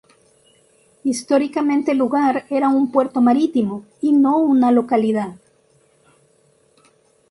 Históricamente el lugar era un puerto marítimo y no una localidad.